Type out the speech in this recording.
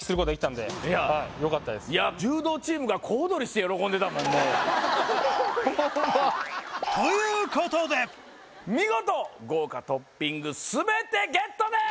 柔道チームが小躍りして喜んでたもんということで見事豪華トッピング全てゲットです！